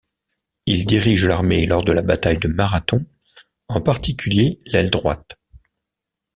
Il dirige l'armée lors de la bataille de Marathon, en particulier l'aile droite.